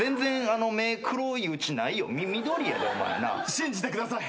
信じてください。